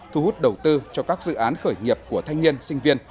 thu hút đầu tư cho các dự án khởi nghiệp của thanh niên sinh viên